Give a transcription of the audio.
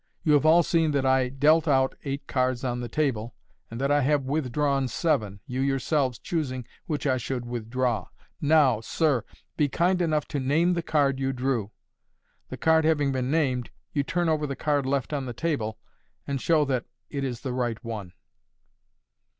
You have all seen that I dealt out eight cards on the table, and that I have withdrawn seven, you yourselves choosing which I should withdraw. Now, sir, be kind enough to name the card you drew." The card having been named, you turn over the card left on the table, and show that it is the right one.